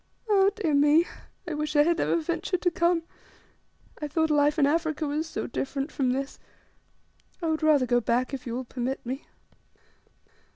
"Ah, dear me; I wish I had never ventured to come! I thought life in Africa was so different from this. I would rather go back if you will permit me."